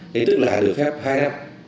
thế tức là được phép hai năm